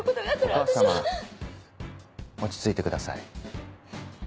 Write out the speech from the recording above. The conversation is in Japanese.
お母様落ち着いてください。